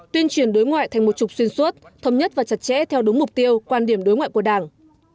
tuyên truyền đối ngoại thành một trục xuyên suốt thống nhất và chặt chẽ theo đúng mục tiêu quan điểm đối ngoại của đảng